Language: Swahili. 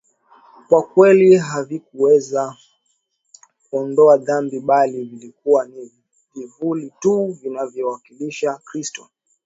kwa kweli havikuweza kuondoa dhambi bali vilikuwa ni vivuli tu vinavyomwakilisha Kristo